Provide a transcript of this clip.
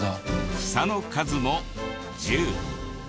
フサの数も１０。